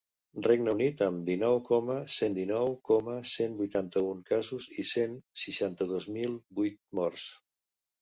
Regne Unit, amb dinou coma cent dinou coma cent vuitanta-un casos i cent seixanta-dos mil vuit morts.